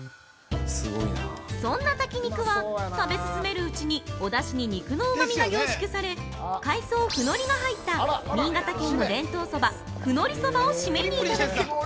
そんな炊き肉は、食べ進めるうちに、おだし汁に肉のうまみが凝縮され、海藻「ふのり」が入った、新潟県の伝統そば「ふのり蕎麦」を締めにいただく！